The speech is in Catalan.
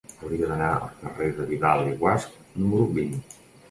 Hauria d'anar al carrer de Vidal i Guasch número vint.